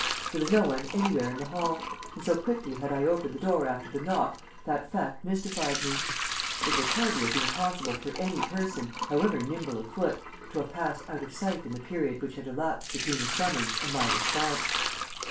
There was no one anywhere in the hall, and, so quickly had I opened the door after the knock, that fact mystified me. It would hardly have been possible for any person, however nimble of foot, to have passed out of sight in the period which had elapsed between the summons and my response.